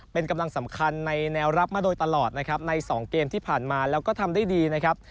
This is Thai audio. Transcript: เป็นกำลังสำคัญในแนวรับมาโดยตลอดนะครับในสองเกมที่ผ่านมาแล้วก็ทำได้ดีนะครับ